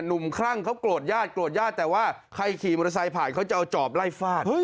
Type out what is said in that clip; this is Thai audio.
หนุ่มคลั่งเขากลดญาติแต่ว่าใครขี่มอเตอร์ไซค์ผ่ายเขาจะเอาจอบไล่ฟาด